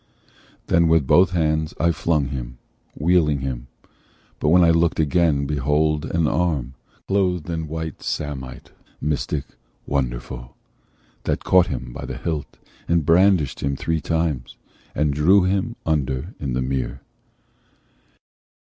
Then with both hands I flung him, wheeling him; But when I looked again, behold an arm, Clothed in white samite, mystic, wonderful, That caught him by the hilt, and brandished him Three times, and drew him under in the mere."